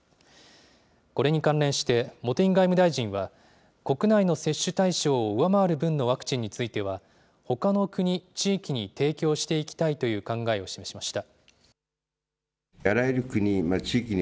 これに関連して茂木外務大臣は、国内の接種対象を上回る分のワクチンについては、ほかの国、地域に提供していきたいという考えを示しました。